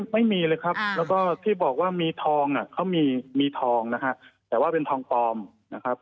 ไม่มีเลยครับแล้วก็ที่บอกว่ามีทองเขามีทองนะฮะแต่ว่าเป็นทองปลอมนะครับ